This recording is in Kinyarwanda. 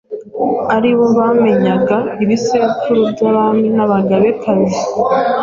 ari bo bamenyaga ibisekuruza by'Abami n'Abagabekazi.